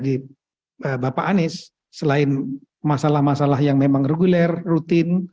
di masa masa sebelum bapak anies selain masalah masalah yang memang reguler rutin